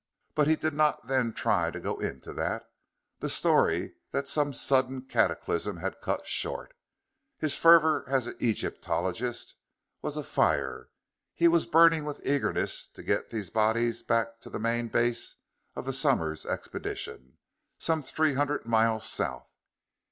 But he did not then try to go into that, the story that some sudden cataclysm had cut short. His fervor, as an Egyptologist, was afire. He was burning with eagerness to get these bodies back to the main base of the Somers Expedition, some three hundred miles south.